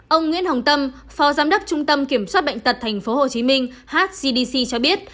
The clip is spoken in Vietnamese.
ông nguyễn hồng tâm phó giám đốc trung tâm kiểm soát bệnh tật tp hcm hgdc cho biết